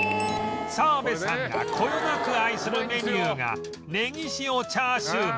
澤部さんがこよなく愛するメニューがネギ塩チャーシューメン